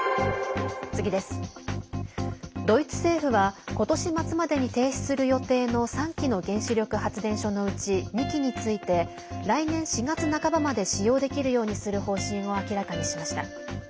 ドイツ政府は今年末までに停止する予定の３基の原子力発電所のうち２基について来年４月半ばまで使用できるようにする方針を明らかにしました。